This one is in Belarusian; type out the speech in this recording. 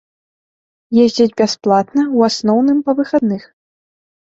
Ездзяць бясплатна, у асноўным, па выхадных.